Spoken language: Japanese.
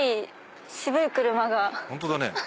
ホントだね。